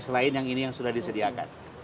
selain yang ini yang sudah disediakan